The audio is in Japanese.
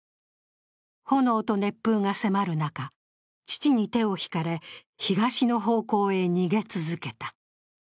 炎と熱風が迫る中父に手を引かれ、東の方向へ逃げ続けた。